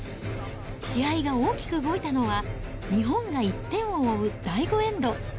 試合が大きく動いたのは、日本が１点を追う第５エンド。